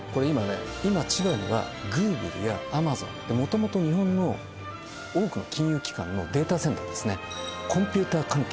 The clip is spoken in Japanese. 今千葉にはグーグルやアマゾンもともと日本の多くの金融機関のデータセンターですねコンピューター関係